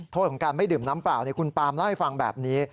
โทษของการไม่ดื่มน้ำเปล่าคุณปามเล่าให้ฟังแบบนี้